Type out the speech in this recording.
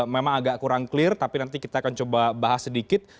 memang agak kurang clear tapi nanti kita akan coba bahas sedikit